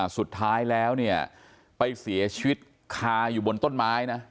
สุดท้ายไปเสียชีวิตคาบนต้นไม้